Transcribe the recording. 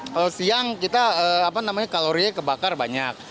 kalau siang kita kalorinya kebakar banyak